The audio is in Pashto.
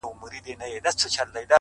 ښه موده کيږي چي هغه مجلس ته نه ورځمه ـ